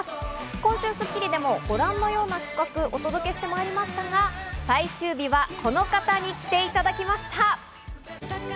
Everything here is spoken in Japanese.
今週『スッキリ』でもご覧のような企画をお届けしてまいりましたが、最終日はこの方に来ていただきました。